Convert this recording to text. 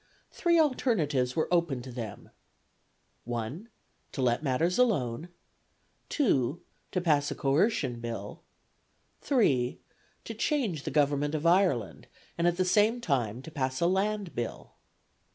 Three alternatives were open to them 1. To let matters alone. 2. To pass a Coercion Bill. 3. To change the government of Ireland, and at the same time to pass a Land Bill.